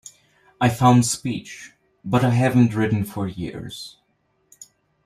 I found speech: "But I haven't ridden for years."